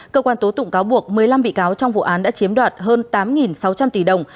cơ quan tố tụng cáo buộc một mươi năm bị cáo trong vụ án đã chiếm đoạt hơn tám sáu trăm linh tỷ đồng